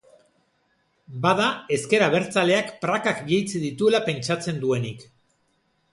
Bada ezker abertzaleak prakak jaitsi dituela pentsatzen duenik.